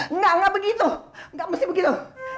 enggak enggak begitu enggak mesti begitu